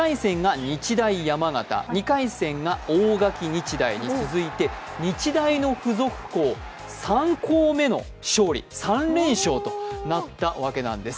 ２回戦が大垣日大に続いて、日大の付属校、３校目の勝利、３連勝となったわけなんです。